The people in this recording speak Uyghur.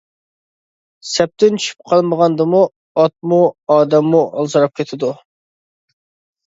سەپتىن چۈشۈپ قالمىغاندىمۇ، ئاتمۇ، ئادەممۇ ھالسىراپ كېتىدۇ.